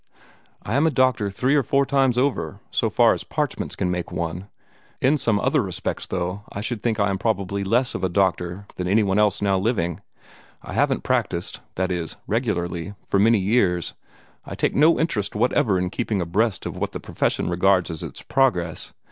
"I am a doctor three or four times over, so far as parchments can make one. In some other respects, though, I should think I am probably less of a doctor than anybody else now living. I haven't practised that is, regularly for many years, and I take no interest whatever in keeping abreast of what the profession regards as its progress.